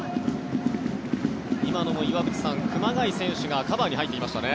今のも岩渕さん、熊谷選手がカバーに入っていましたね。